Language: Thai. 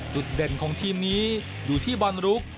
จุดเด่นของทีมนี้อยู่ที่บอลรุก